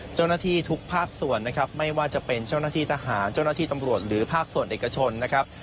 เจ้าหน้าที่ทุกภาคส่วนนะครับไม่ว่าจะเป็นเจ้าหน้าที่ทหารเจ้าหน้าที่ตำรวจหรือภาคส่วนเอกชนนะครับ